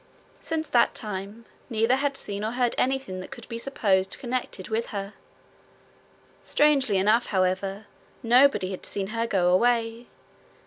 Since that time neither had seen or heard anything that could be supposed connected with her. Strangely enough, however, nobody had seen her go away.